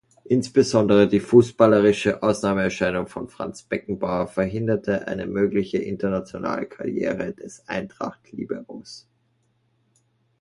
Insbesondere die fußballerische Ausnahmeerscheinung von Franz Beckenbauer verhinderte eine mögliche internationale Karriere des Eintracht-Liberos.